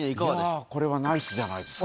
これはナイスじゃないですか。